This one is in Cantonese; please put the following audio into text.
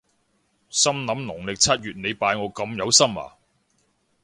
心諗農曆七月你拜我咁有心呀？